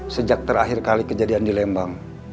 sejak terakhir kali kejadian di lembang